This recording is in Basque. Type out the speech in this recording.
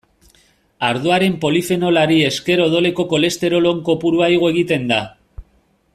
Ardoaren polifenolari esker odoleko kolesterol on kopurua igo egiten da.